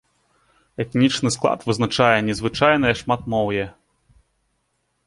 Этнічны склад вызначае незвычайнае шматмоўе.